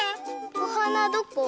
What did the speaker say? おはなどこ？